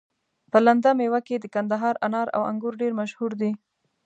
په لنده ميوه کي د کندهار انار او انګور ډير مشهور دي